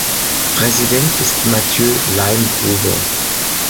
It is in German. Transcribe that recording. Präsident ist Matthieu Leimgruber.